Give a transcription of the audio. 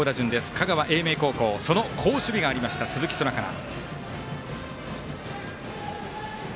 香川・英明高校その好守備がありました鈴木昊から。